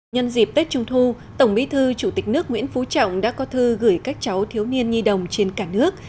nhân dịp tết trung thu tổng bí thư chủ tịch nước nguyễn phú trọng đã có thư gửi các cháu thiếu niên nhi đồng trên cả nước